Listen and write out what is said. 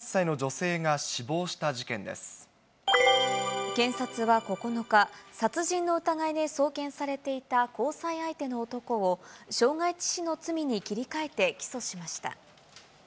大阪府泉佐野市のアパートで、検察は９日、殺人の疑いで送検されていた交際相手の男を、傷害致死の罪に切り替えて起訴しました。